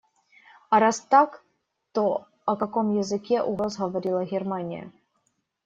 А раз так, то о каком языке угроз говорила Германия?